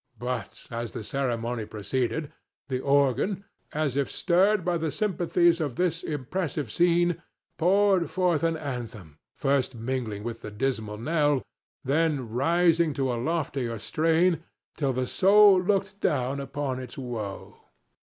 But as the ceremony proceeded, the organ, as if stirred by the sympathies of this impressive scene, poured forth an anthem, first mingling with the dismal knell, then rising to a loftier strain, till the soul looked down upon its woe.